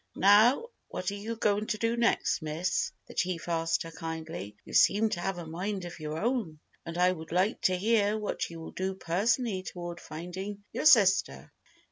"Now, what are you going to do next, miss?" the chief asked her kindly. "You seem to have a mind of your own, and I would like to hear what you will do personally toward finding your sister."